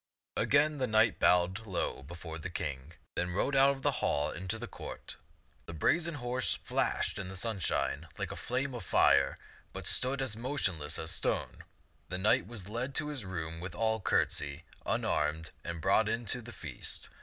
Again the knight bowed low before the King, then rode out of the hall into the court. The brazen horse flashed in the sunshine like a flame of fire, but stood as motionless as a stone. The knight was led to his room with all courtesy, unarmed, and brought in to the feast.